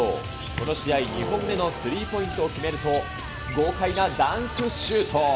この試合２本目のスリーポイントを決めると、豪快なダンクシュート。